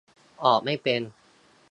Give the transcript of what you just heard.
ออกไม่เป็น